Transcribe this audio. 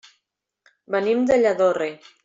Venim de Lladorre.